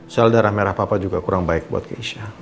sel darah merah papa juga kurang baik buat keisha